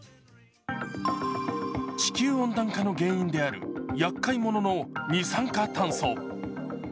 地球温暖化の原因であるやっかいものの二酸化炭素。